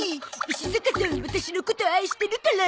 石坂さんワタシのこと愛してるから。